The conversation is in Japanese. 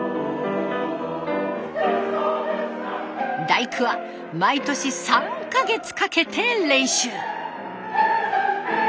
「第九」は毎年３か月かけて練習。